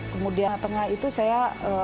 kemudian tengah itu saya